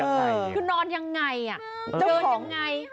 เขาอยู่อย่างไหนหรือเปล่าคือนอนอย่างไง